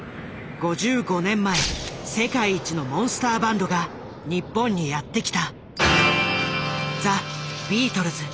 ５５年前世界一のモンスターバンドが日本にやってきた。